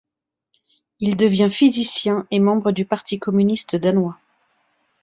Il devient physicien et membre du Parti communiste danois.